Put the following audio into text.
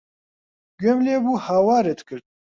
گوێم لێ بوو هاوارت کرد.